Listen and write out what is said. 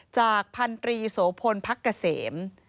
จากพันธรีสวพลพักเกษม